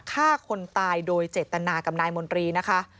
ฆ่าคนตายโดยเจตนากับนายมนตรีนะคะ